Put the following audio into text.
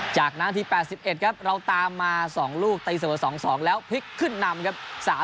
จากนั้นนาที๘๑ครับเราตามมา๒ลูกตีเสมอ๒๒แล้วพลิกขึ้นนำครับ